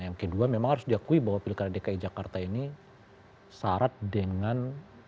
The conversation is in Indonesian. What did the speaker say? yang kedua memang harus diakui bahwa pilkada dki jakarta ini syarat dengan